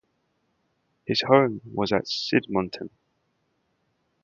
His home was at Sydmonton.